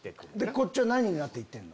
こっちは何になって行ってるの？